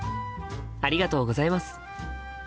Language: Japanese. ありがとうございます。